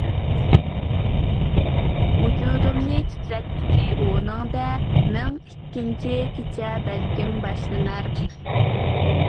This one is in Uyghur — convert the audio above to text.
ۋۇجۇدۇمنى تىترەتكۈچى ئۈنۈڭدە، مىڭ ئىككىنچى كېچە بەلكىم باشلىنار.